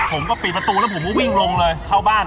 ผมก็ปิดประตูแล้วผมก็วิ่งลงเลย